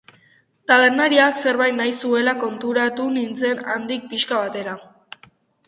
Tabernariak zerbait nahi zuela konturatu nintzen handik pixka batera.